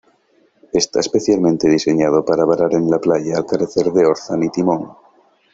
Está especialmente diseñado para varar en la playa al carecer de orza ni timón.